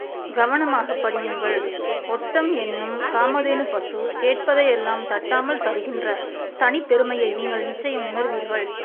கவனமாகப் படியுங்கள், ஒட்டம் என்னும் காமதேனுப் பசு, கேட்பதையெல்லாம் தட்டாமல் தருகின்ற தனிப் பெருமையை நீங்கள் நிச்சயம் உணர்வீர்கள்!